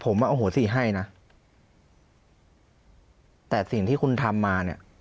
ผมว่าโอโหสิให้นะแต่สิ่งที่คุณทำมาเนี่ย